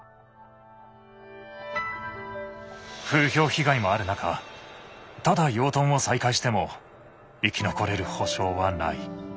風評被害もある中ただ養豚を再開しても生き残れる保証はない。